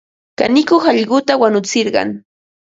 Kanikuq allquta wanutsirqan.